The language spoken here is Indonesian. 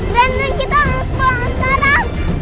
danan kita harus pulang sekarang